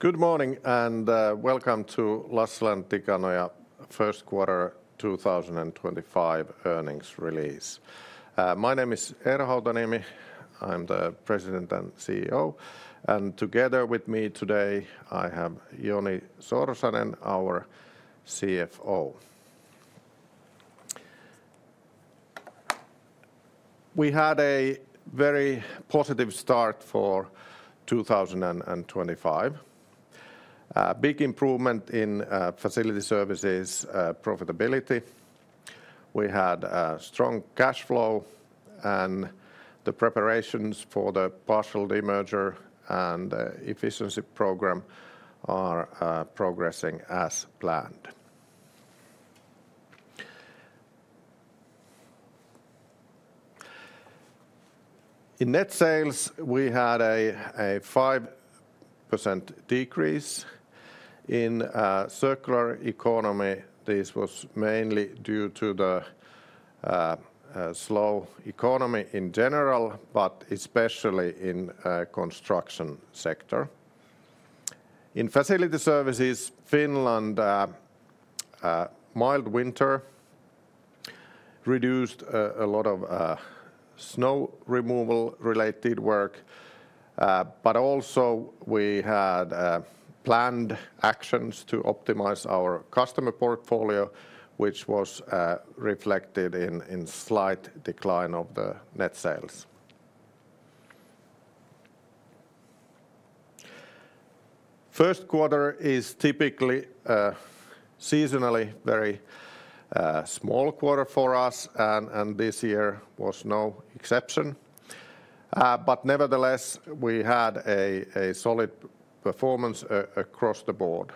Good morning and welcome to Lassila & Tikanoja first quarter 2025 earnings release. My name is Eero Hautaniemi. I'm the President and CEO. Together with me today, I have Joni Sorsanen, our CFO. We had a very positive start for 2025. Big improvement in Facility Services profitability. We had strong cash flow, and the preparations for the partial demerger and efficiency program are progressing as planned. In net sales, we had a 5% decrease. In Circular Economy, this was mainly due to the slow economy in general, but especially in the construction sector. In Facility Services, Finland had a mild winter, reduced a lot of snow removal-related work, but also we had planned actions to optimize our customer portfolio, which was reflected in a slight decline of the net sales. First quarter is typically a seasonally very small quarter for us, and this year was no exception. Nevertheless, we had a solid performance across the board.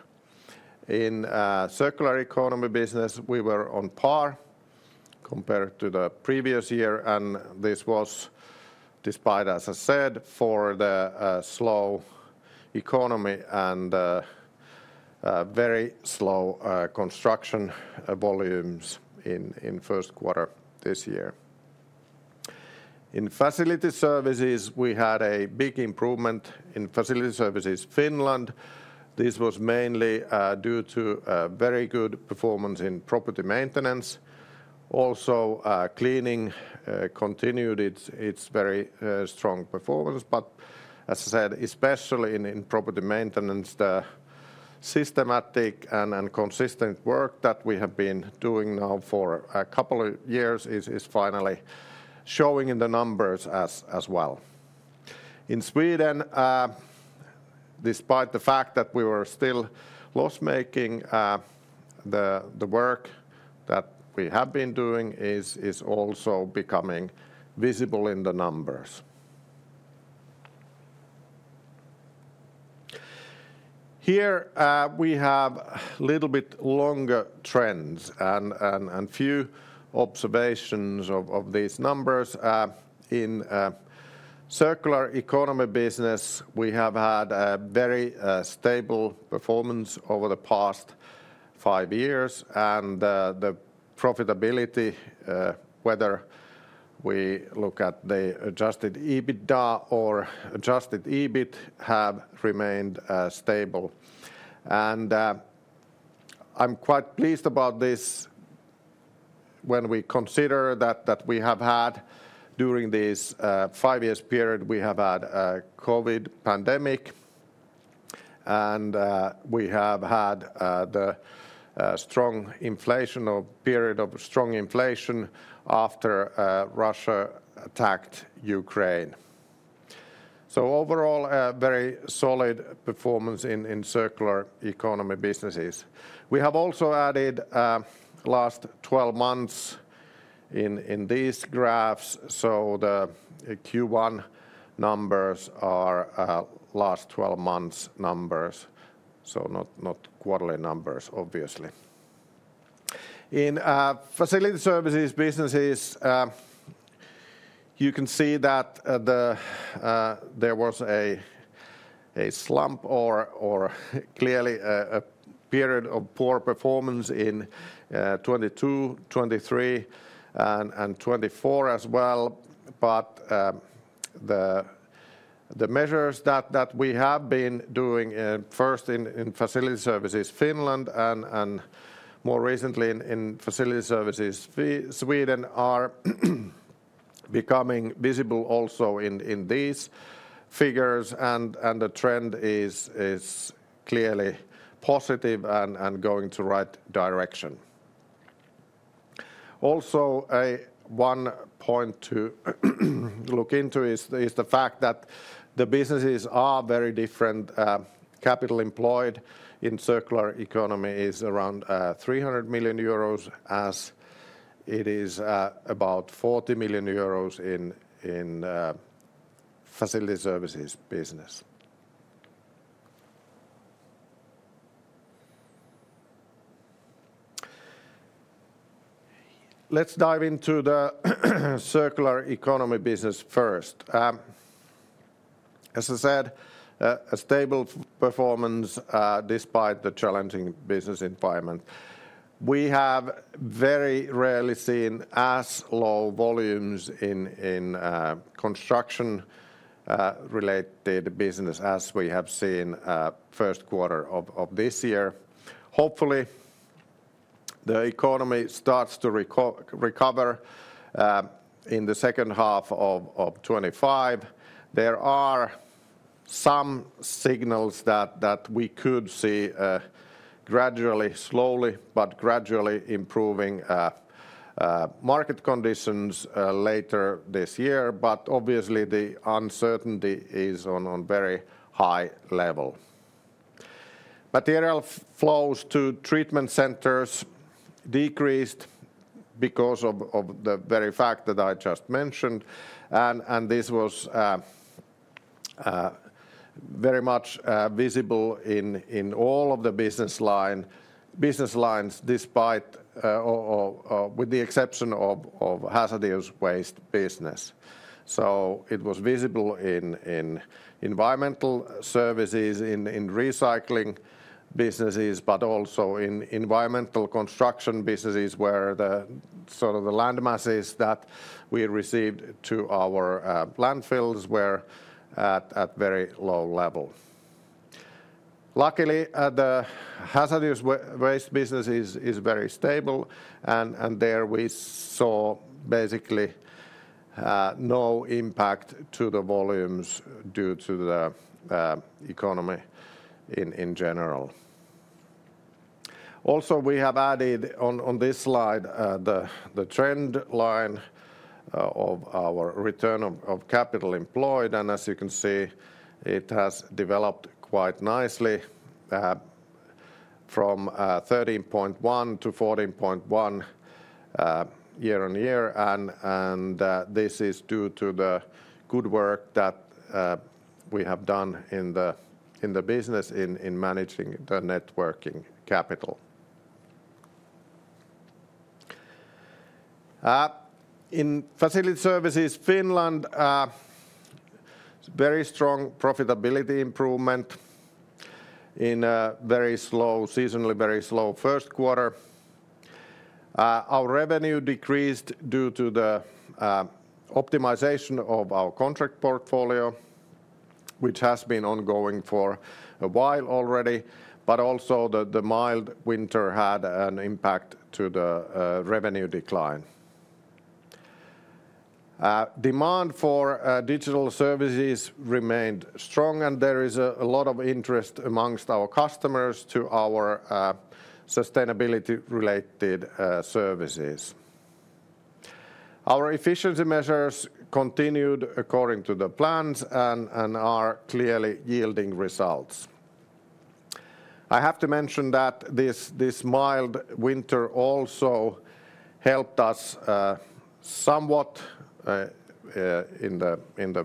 In circular economy business, we were on par compared to the previous year, and this was despite, as I said, the slow economy and very slow construction volumes in the first quarter this year. In facility services, we had a big improvement. In facility services Finland, this was mainly due to very good performance in property maintenance. Also, cleaning continued its very strong performance. As I said, especially in property maintenance, the systematic and consistent work that we have been doing now for a couple of years is finally showing in the numbers as well. In Sweden, despite the fact that we were still loss-making, the work that we have been doing is also becoming visible in the numbers. Here we have a little bit longer trends and a few observations of these numbers. In circular economy business, we have had a very stable performance over the past five years, and the profitability, whether we look at the adjusted EBITDA or adjusted EBITDA, has remained stable. I am quite pleased about this when we consider that we have had, during this five-year period, we have had a COVID pandemic, and we have had the period of strong inflation after Russia attacked Ukraine. Overall, a very solid performance in circular economy businesses. We have also added the last 12 months in these graphs. The Q1 numbers are last 12 months numbers, not quarterly numbers, obviously. In facility services businesses, you can see that there was a slump or clearly a period of poor performance in 2022, 2023, and 2024 as well. The measures that we have been doing, first in Facility Services Finland and more recently in Facility Services Sweden, are becoming visible also in these figures, and the trend is clearly positive and going to the right direction. Also, one point to look into is the fact that the businesses are very different. Capital employed in Circular Economy is around 300 million euros, as it is about 40 million euros in Facility Services business. Let's dive into the Circular Economy business first. As I said, a stable performance despite the challenging business environment. We have very rarely seen as low volumes in construction-related business as we have seen in the first quarter of this year. Hopefully, the economy starts to recover in the second half of 2025. There are some signals that we could see gradually, slowly but gradually improving market conditions later this year, but obviously the uncertainty is on a very high level. Material flows to treatment centers decreased because of the very fact that I just mentioned, and this was very much visible in all of the business lines with the exception of hazardous waste business. It was visible in environmental services, in recycling businesses, but also in environmental construction businesses where the sort of the land masses that we received to our landfills were at a very low level. Luckily, the hazardous waste business is very stable, and there we saw basically no impact to the volumes due to the economy in general. Also, we have added on this slide the trend line of our return on capital employed, and as you can see, it has developed quite nicely from 13.1 to 14.1 year-on-year, and this is due to the good work that we have done in the business in managing the net working capital. In Facility Services Finland, very strong profitability improvement in a very slow, seasonally very slow first quarter. Our revenue decreased due to the optimization of our contract portfolio, which has been ongoing for a while already, but also the mild winter had an impact on the revenue decline. Demand for digital services remained strong, and there is a lot of interest amongst our customers to our sustainability-related services. Our efficiency measures continued according to the plans and are clearly yielding results. I have to mention that this mild winter also helped us somewhat in the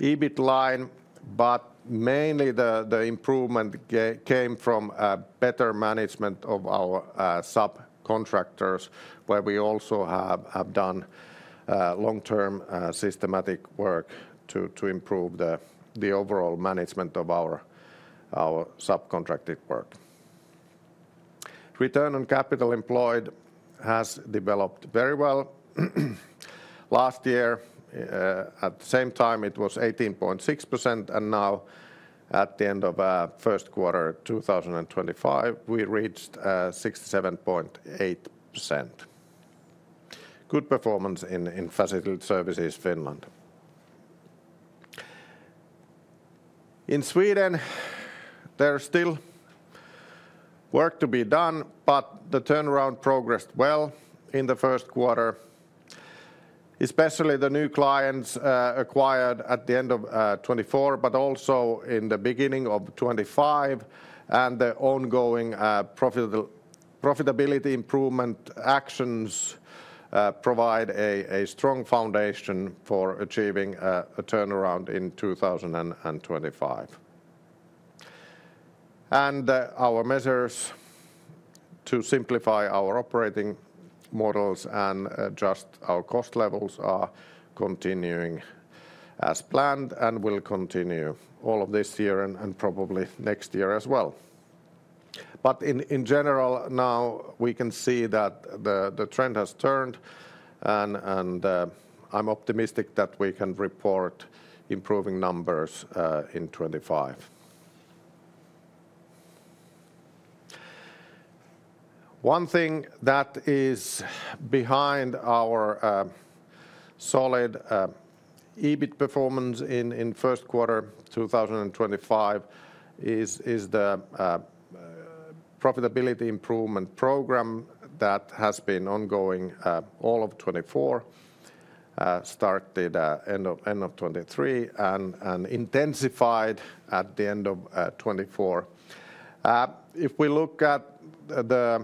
EBITDA line, but mainly the improvement came from better management of our subcontractors, where we also have done long-term systematic work to improve the overall management of our subcontracted work. Return on capital employed has developed very well. Last year, at the same time, it was 18.6%, and now at the end of the first quarter of 2025, we reached 67.8%. Good performance in Facility Services Finland. In Sweden, there is still work to be done, but the turnaround progressed well in the first quarter, especially the new clients acquired at the end of 2024, but also in the beginning of 2025, and the ongoing profitability improvement actions provide a strong foundation for achieving a turnaround in 2025. Our measures to simplify our operating models and adjust our cost levels are continuing as planned and will continue all of this year and probably next year as well. In general, now we can see that the trend has turned, and I'm optimistic that we can report improving numbers in 2025. One thing that is behind our solid EBITDA performance in first quarter 2025 is the profitability improvement program that has been ongoing all of 2024, started end of 2023, and intensified at the end of 2024. If we look at the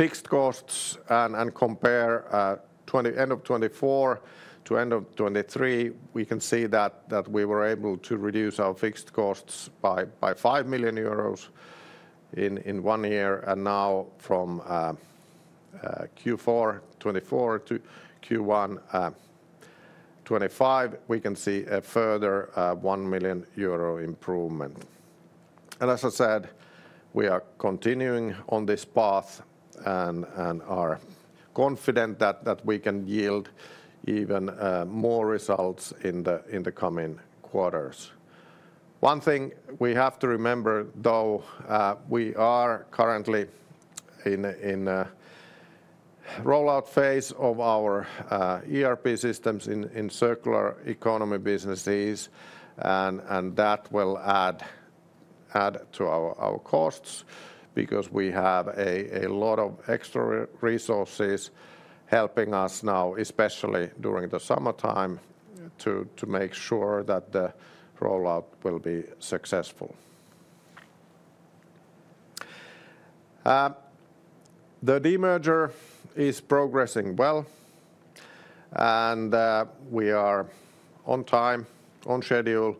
fixed costs and compare end of 2024 to end of 2023, we can see that we were able to reduce our fixed costs by 5 million euros in one year, and now from Q4 2024 to Q1 2025, we can see a further 1 million euro improvement. As I said, we are continuing on this path and are confident that we can yield even more results in the coming quarters. One thing we have to remember, though, we are currently in the rollout phase of our ERP systems in circular economy businesses, and that will add to our costs because we have a lot of extra resources helping us now, especially during the summertime, to make sure that the rollout will be successful. The demerger is progressing well, and we are on time, on schedule,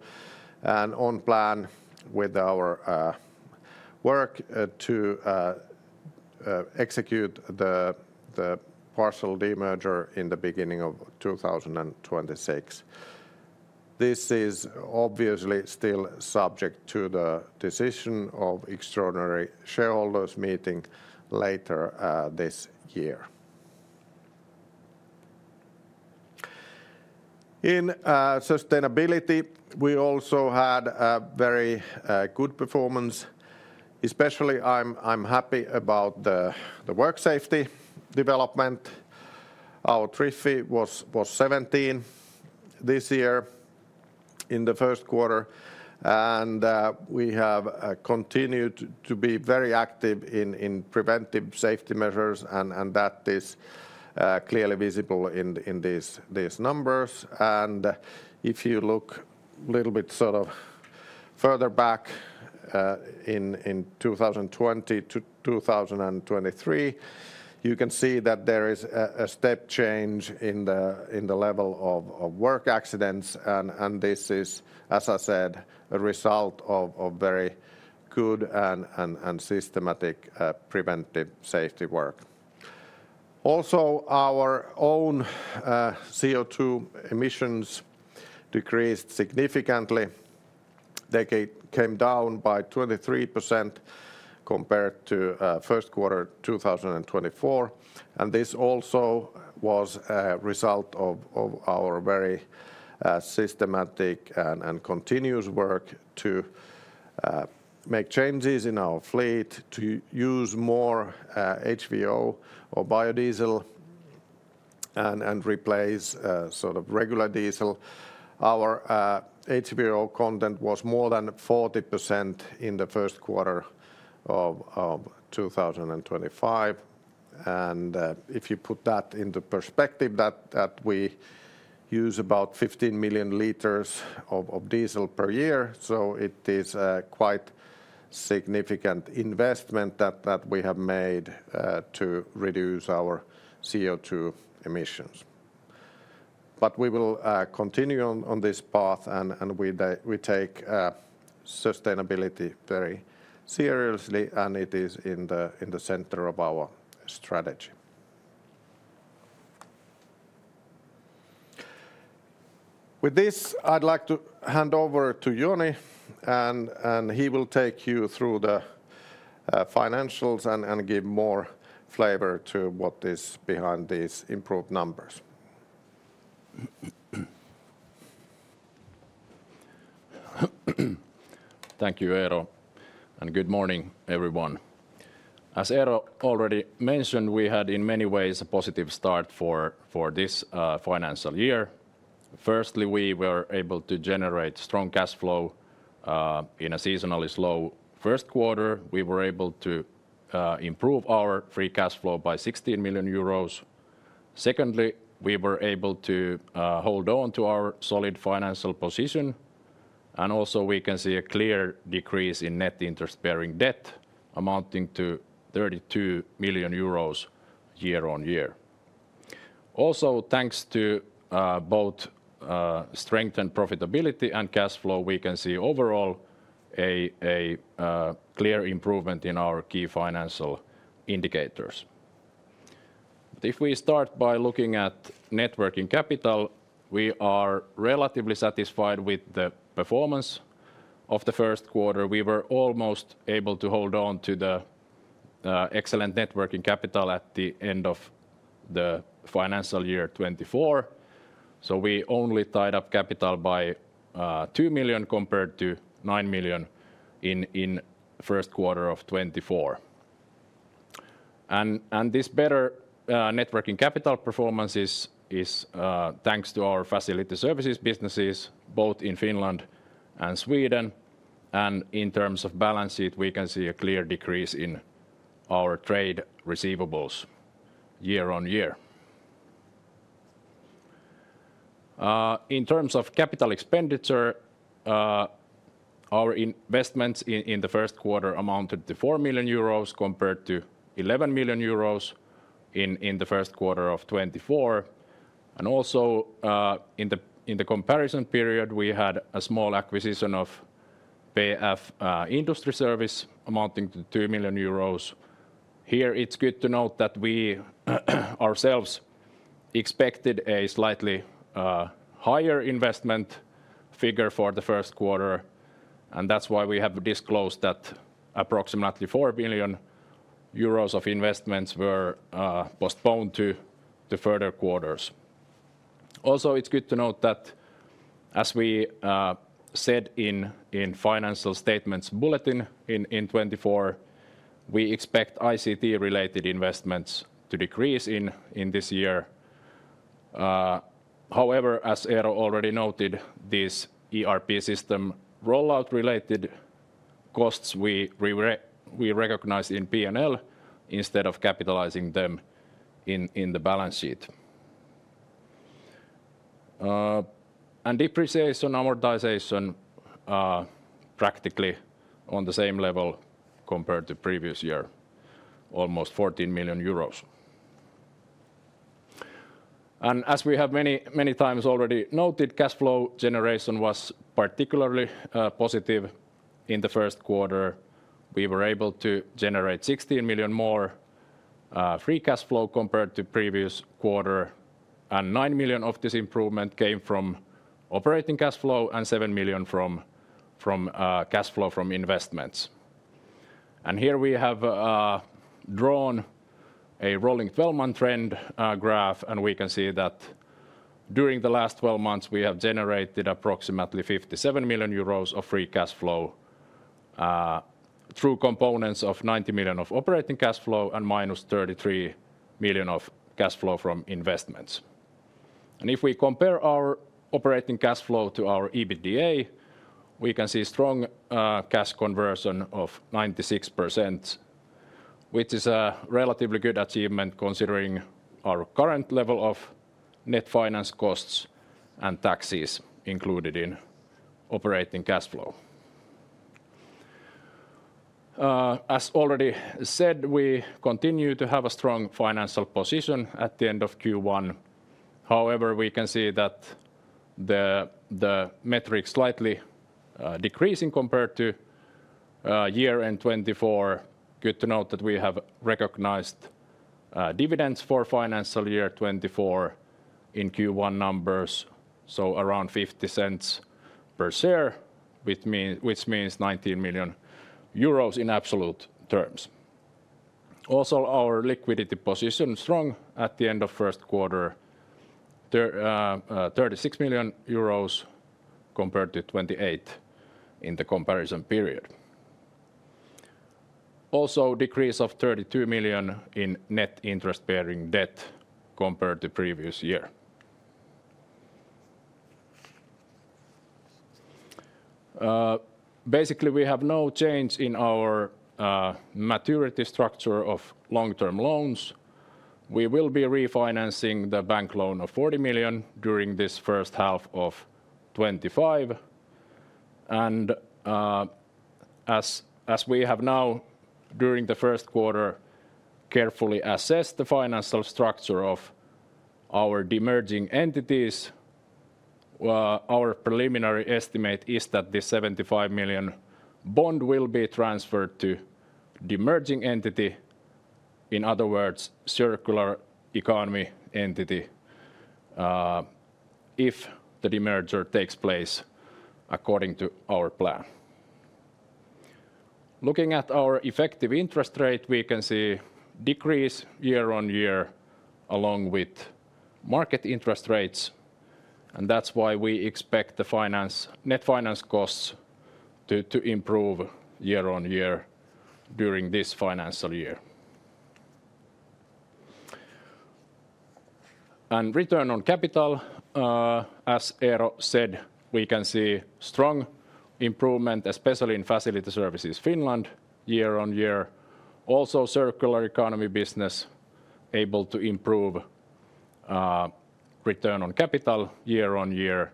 and on plan with our work to execute the partial demerger in the beginning of 2026. This is obviously still subject to the decision of extraordinary shareholders meeting later this year. In sustainability, we also had a very good performance. Especially, I'm happy about the work safety development. Our TRIFR was 17 this year in the first quarter, and we have continued to be very active in preventive safety measures, and that is clearly visible in these numbers. If you look a little bit sort of further back in 2020 to 2023, you can see that there is a step change in the level of work accidents, and this is, as I said, a result of very good and systematic preventive safety work. Also, our own CO2 emissions decreased significantly. They came down by 23% compared to first quarter 2024, and this also was a result of our very systematic and continuous work to make changes in our fleet, to use more HVO or biodiesel and replace sort of regular diesel. Our HVO content was more than 40% in the first quarter of 2025, and if you put that into perspective, that we use about 15 million liters of diesel per year, it is a quite significant investment that we have made to reduce our CO2 emissions. We will continue on this path, and we take sustainability very seriously, and it is in the center of our strategy. With this, I'd like to hand over to Joni, and he will take you through the financials and give more flavor to what is behind these improved numbers. Thank you, Eero, and good morning, everyone. As Eero already mentioned, we had in many ways a positive start for this financial year. Firstly, we were able to generate strong cash flow in a seasonally slow first quarter. We were able to improve our free cash flow by 16 million euros. Secondly, we were able to hold on to our solid financial position, and also we can see a clear decrease in net interest-bearing debt amounting to EUR 32 million year-on-year. Also, thanks to both strengthened profitability and cash flow, we can see overall a clear improvement in our key financial indicators. If we start by looking at net working capital, we are relatively satisfied with the performance of the first quarter. We were almost able to hold on to the excellent net working capital at the end of the financial year 2024, so we only tied up capital by 2 million compared to 9 million in the first quarter of 2024. This better net working capital performance is thanks to our Facility Services businesses both in Finland and Sweden, and in terms of balance sheet, we can see a clear decrease in our trade receivables year-on-year. In terms of capital expenditure, our investments in the first quarter amounted to 4 million euros compared to 11 million euros in the first quarter of 2024, and also in the comparison period, we had a small acquisition of PF Industriservice amounting to 2 million euros. Here, it's good to note that we ourselves expected a slightly higher investment figure for the first quarter, and that's why we have disclosed that approximately 4 million euros of investments were postponed to further quarters. Also, it's good to note that as we said in financial statements bulletin in 2024, we expect ICT-related investments to decrease in this year. However, as Eero already noted, this ERP system rollout-related costs we recognized in P&L instead of capitalizing them in the balance sheet. Depreciation amortization practically on the same level compared to previous year, almost EUR 14 million. As we have many times already noted, cash flow generation was particularly positive in the first quarter. We were able to generate 16 million more free cash flow compared to the previous quarter, and 9 million of this improvement came from operating cash flow and 7 million from cash flow from investments. Here we have drawn a rolling 12-month trend graph, and we can see that during the last 12 months, we have generated approximately 57 million euros of free cash flow through components of 90 million of operating cash flow and minus 33 million of cash flow from investments. If we compare our operating cash flow to our EBITDA, we can see strong cash conversion of 96%, which is a relatively good achievement considering our current level of net finance costs and taxes included in operating cash flow. As already said, we continue to have a strong financial position at the end of Q1. However, we can see that the metrics slightly decreasing compared to year end 2024. Good to note that we have recognized dividends for financial year 2024 in Q1 numbers, so around 0.50 per share, which means 19 million euros in absolute terms. Also, our liquidity position strong at the end of first quarter, 36 million euros compared to 28 million in the comparison period. Also, decrease of 32 million in net interest-bearing debt compared to previous year. Basically, we have no change in our maturity structure of long-term loans. We will be refinancing the bank loan of 40 million during this first half of 2025. As we have now during the first quarter carefully assessed the financial structure of our demerging entities, our preliminary estimate is that the 75 million bond will be transferred to the demerging entity, in other words, the circular economy entity, if the demerger takes place according to our plan. Looking at our effective interest rate, we can see a decrease year-on-year along with market interest rates, and that is why we expect the net finance costs to improve year-on-year during this financial year. Return on capital, as Eero said, we can see strong improvement, especially in Facility Services Finland year-on-year. Also, the circular economy business is able to improve return on capital year-on-year.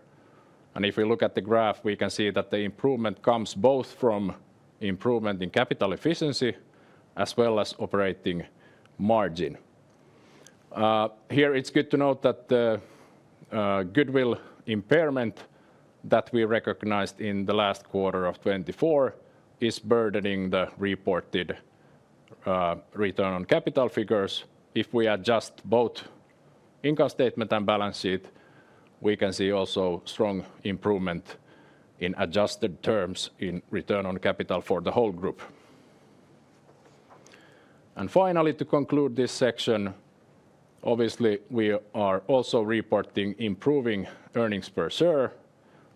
If we look at the graph, we can see that the improvement comes both from improvement in capital efficiency as well as operating margin. Here, it's good to note that the goodwill impairment that we recognized in the last quarter of 2024 is burdening the reported return on capital figures. If we adjust both income statement and balance sheet, we can see also strong improvement in adjusted terms in return on capital for the whole group. Finally, to conclude this section, obviously we are also reporting improving earnings per share,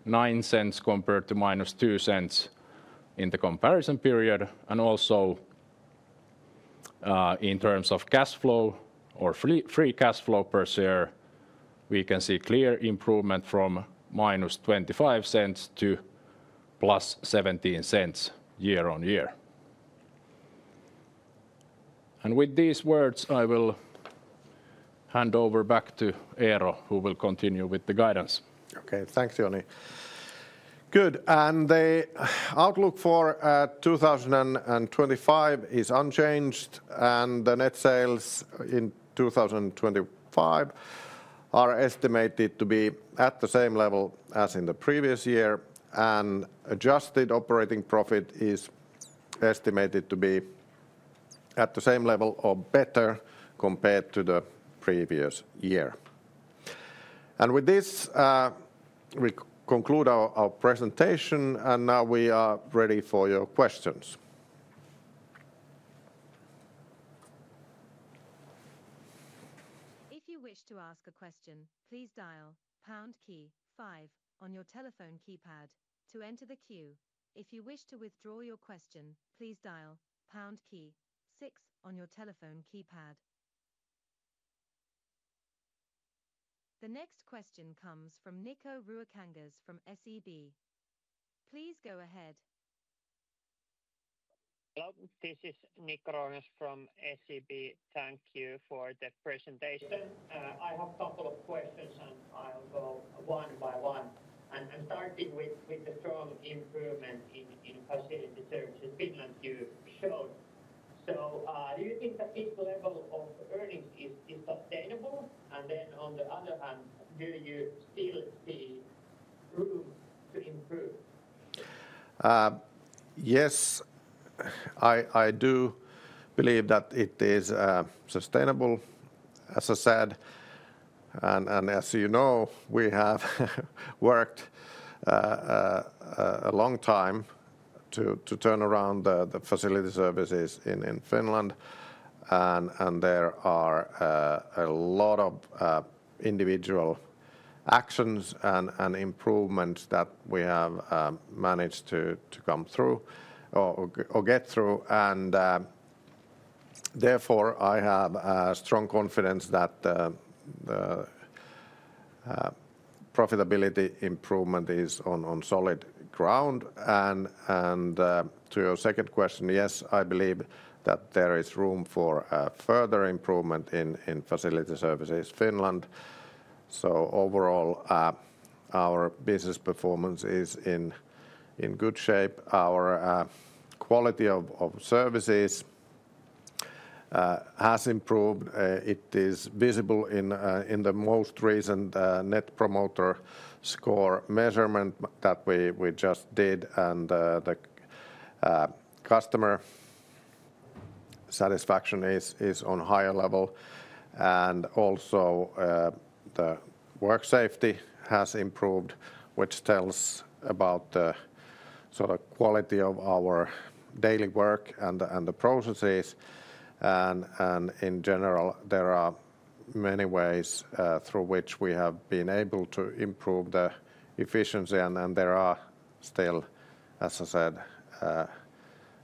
0.09 compared to -0.02 in the comparison period. Also, in terms of cash flow or free cash flow per share, we can see clear improvement from -0.25 to EUR 0.17 year-on-year. With these words, I will hand over back to Eero, who will continue with the guidance. Okay, thanks, Joni. Good. The outlook for 2025 is unchanged, and the net sales in 2025 are estimated to be at the same level as in the previous year, and adjusted operating profit is estimated to be at the same level or better compared to the previous year. With this, we conclude our presentation, and now we are ready for your questions. If you wish to ask a question, please dial pound five on your telephone keypad to enter the queue. If you wish to withdraw your question, please dial pound six on your telephone keypad. The next question comes from Nikko Ruokangas from SEB. Please go ahead. Hello, this is Nikko Ruokangas from SEB. Thank you for the presentation. I have a couple of questions, and I'll go one by one. Starting with the strong improvement in Facility Services Finland, you showed. Do you think that this level of earnings is sustainable? And then on the other hand, do you still see room to improve? Yes, I do believe that it is sustainable, as I said. As you know, we have worked a long time to turn around the facility services in Finland, and there are a lot of individual actions and improvements that we have managed to come through or get through. Therefore, I have strong confidence that the profitability improvement is on solid ground. To your second question, yes, I believe that there is room for further improvement in Facility Services Finland. Overall, our business performance is in good shape. Our quality of services has improved. It is visible in the most recent Net Promoter Score measurement that we just did, and the customer satisfaction is on a higher level. Also, the work safety has improved, which tells about the sort of quality of our daily work and the processes. In general, there are many ways through which we have been able to improve the efficiency, and there are still, as I said,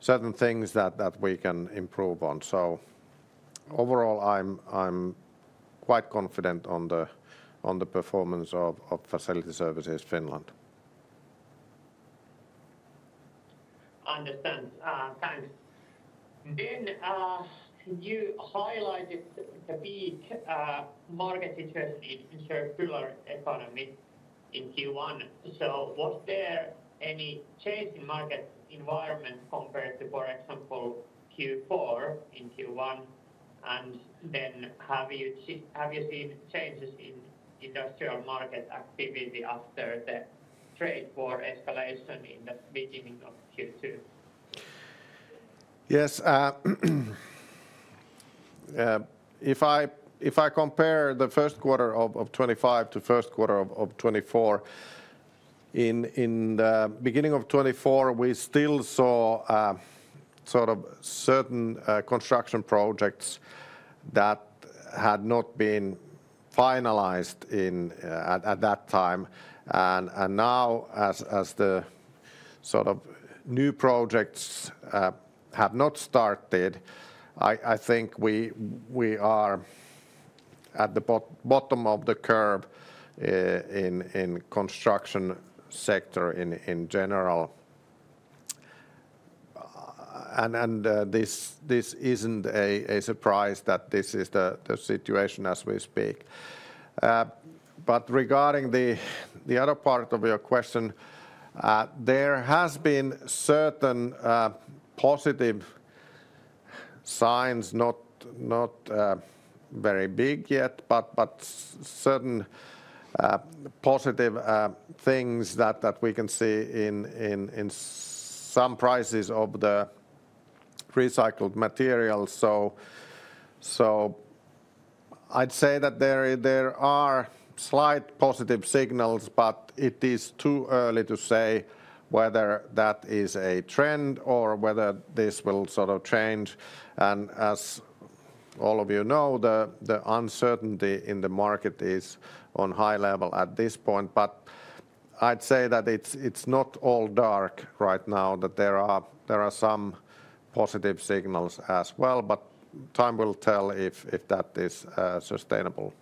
certain things that we can improve on. Overall, I'm quite confident on the performance of Facility Services Finland. I understand. Thanks. You highlighted the big market interest in circular economy in Q1. Was there any change in market environment compared to, for example, Q4 in Q1? Have you seen changes in industrial market activity after the trade war escalation in the beginning of Q2? Yes. If I compare the first quarter of 2025 to the first quarter of 2024, in the beginning of 2024, we still saw sort of certain construction projects that had not been finalized at that time. Now, as the sort of new projects have not started, I think we are at the bottom of the curve in the construction sector in general. This is not a surprise that this is the situation as we speak. Regarding the other part of your question, there have been certain positive signs, not very big yet, but certain positive things that we can see in some prices of the recycled materials. I'd say that there are slight positive signals, but it is too early to say whether that is a trend or whether this will sort of change. As all of you know, the uncertainty in the market is on a high level at this point. I'd say that it's not all dark right now, that there are some positive signals as well, but time will tell if that is sustainable.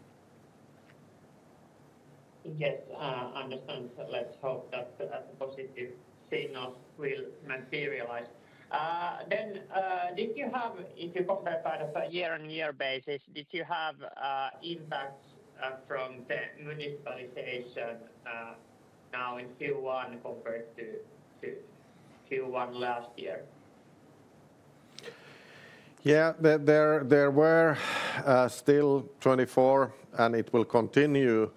Yes, I understand. Let's hope that the positive signals will materialize. If you compare on a year-on-year basis, did you have impacts from the municipalization now in Q1 compared to Q1 last year? Yeah, there were still 2024, and it will continue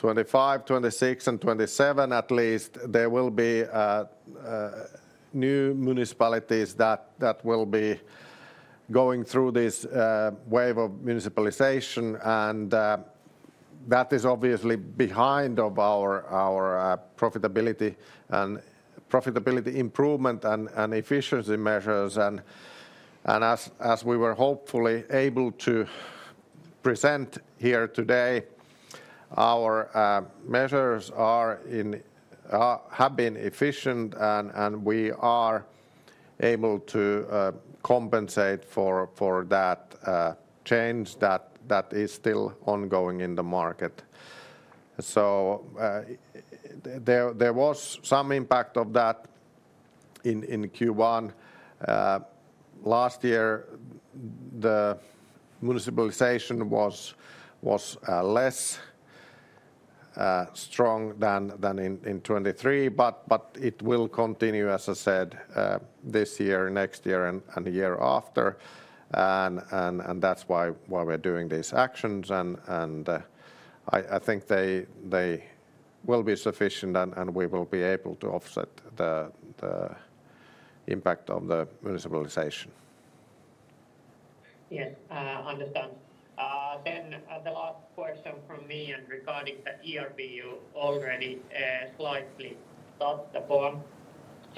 2025, 2026, and 2027 at least. There will be new municipalities that will be going through this wave of municipalization, and that is obviously behind our profitability and profitability improvement and efficiency measures. As we were hopefully able to present here today, our measures have been efficient, and we are able to compensate for that change that is still ongoing in the market. There was some impact of that in Q1. Last year, the municipalization was less strong than in 2023, but it will continue, as I said, this year, next year, and the year after. That is why we are doing these actions. I think they will be sufficient, and we will be able to offset the impact of the municipalization. Yes, I understand. The last question from me regarding the ERP, you already slightly touched upon.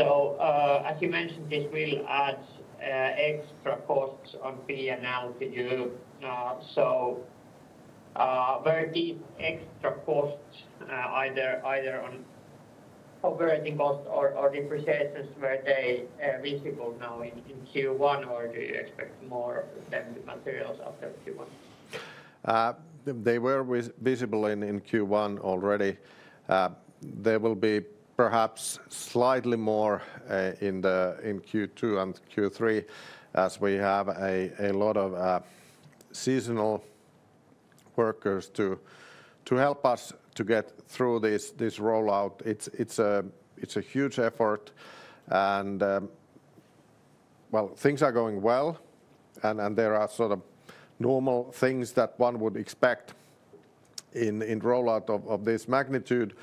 As you mentioned, this will add extra costs on P&L to you. Where these extra costs, either on operating costs or depreciations, were they visible now in Q1, or do you expect more of them to materialize after Q1? They were visible in Q1 already. There will be perhaps slightly more in Q2 and Q3, as we have a lot of seasonal workers to help us to get through this rollout. It is a huge effort. Things are going well, and there are sort of normal things that one would expect in rollout of this magnitude.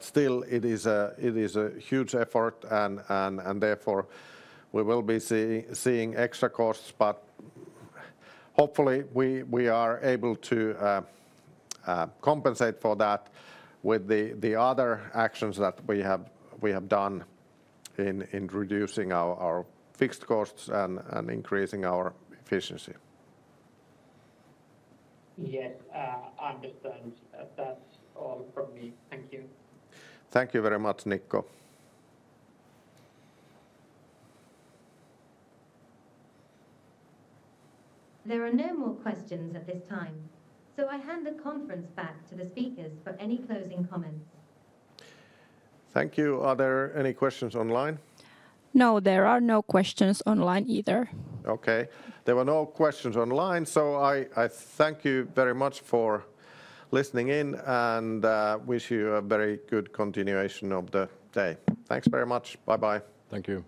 Still, it is a huge effort, and therefore we will be seeing extra costs. Hopefully, we are able to compensate for that with the other actions that we have done in reducing our fixed costs and increasing our efficiency. Yes, I understand. That's all from me. Thank you. Thank you very much, Nikko. There are no more questions at this time. I hand the conference back to the speakers for any closing comments. Thank you. Are there any questions online? No, there are no questions online either. Okay, there were no questions online. I thank you very much for listening in and wish you a very good continuation of the day. Thanks very much. Bye-bye. Thank you.